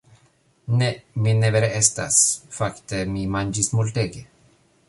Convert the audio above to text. Ne, mi ne vere estas... fakte mi manĝis multege